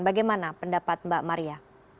bagaimana pendapat mbak maria